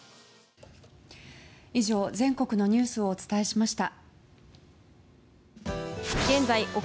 以上、全国のニュースをお伝えしました。